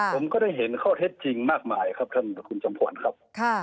ผมก็ได้เห็นข้อเท็จจริงมากมายครับท่านคุณจำขวัญครับ